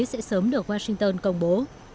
sẽ sớm được washington công bố